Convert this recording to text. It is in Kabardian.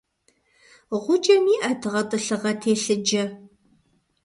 Гъукӏэм иӏэт гъэтӏылъыгъэ телъыджэ.